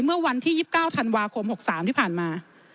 เมื่อวันที่๒๙ธันวาคม๖๓ที่ผ่านมา